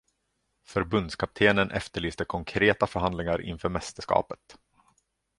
Förbundskaptenen efterlyste konkreta förhandlingar inför mästerskapet.